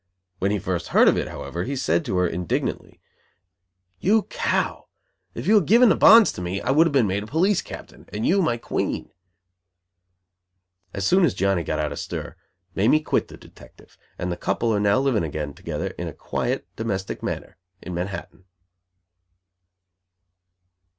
When he first heard of it, however, he had said to her, indignantly: "You cow, if you had given the bonds to me, I would have been made a police captain, and you my queen." As soon as Johnny got out of stir, Mamie quit the detective, and the couple are now living again together in a quiet, domestic manner, in Manhattan.